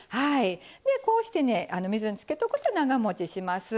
でこうしてね水につけとくと長もちします。